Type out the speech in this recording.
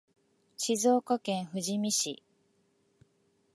静岡県富士宮市